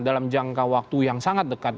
dalam jangka waktu yang sangat dekat